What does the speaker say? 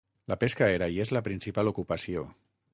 La pesca era i és la principal ocupació.